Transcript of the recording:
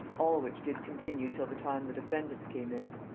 All which did continue till time the defendants came in.'